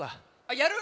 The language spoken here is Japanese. やる？